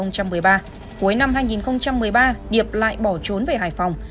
cuối năm hai nghìn một mươi ba điệp lại bỏ trốn về hải phòng